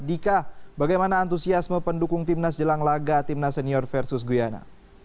dika bagaimana antusiasme pendukung timnas jelang laga timnas senior versus guyana